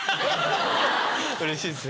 うれしいですね。